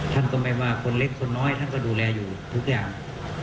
ท่านก็ไม่ว่าคนเล็กคนน้อยท่านก็ดูแลอยู่ทุกอย่าง